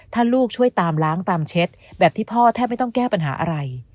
ถ้าลูกช่วยตามล้างตามเช็ดแบบที่พ่อแทบไม่ต้องแก้ปัญหาอะไร